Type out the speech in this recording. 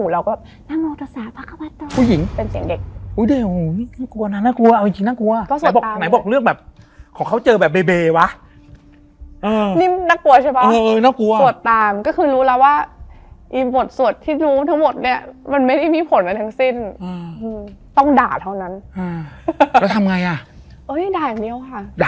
แล้วคือลิฟต์ขึ้นห้องมันมีลิฟต์เดียว